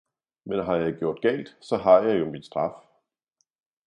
men har jeg gjort galt, så har jeg jo min straf.